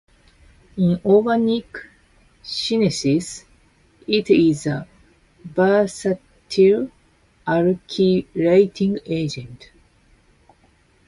In organic synthesis, it is a versatile alkylating agent.